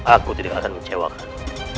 aku tidak akan mencewakanmu